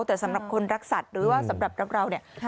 แต่สำหรับคนรักสัตว์หรือว่าสำหรับเราเนี่ย